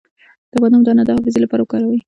د بادام دانه د حافظې لپاره وکاروئ